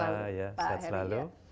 luar biasa pak heri ya